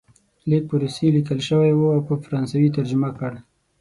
لیک په روسي لیکل شوی وو او په فرانسوي یې ترجمه کړ.